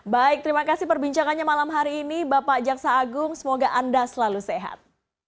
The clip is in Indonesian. baik terima kasih perbincangannya malam hari ini bapak jaksa agung semoga anda selalu sehat